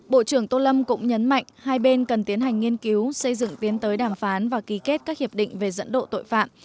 bộ trưởng tô lâm cũng nhấn mạnh hai bên cần tiến hành nghiên cứu xây dựng tiến tới đàm phán và ký kết các hiệp định về dẫn độ tội phạm